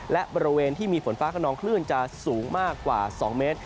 และบริเวณที่มีฝนฟ้าขนองคลื่นจะสูงมากกว่า๒เมตร